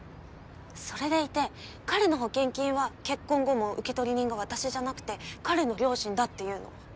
それでいて彼の保険金は結婚後も受取人が私じゃなくて彼の両親だって言うの。